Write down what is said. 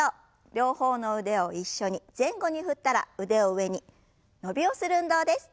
両方の腕を一緒に前後に振ったら腕を上に伸びをする運動です。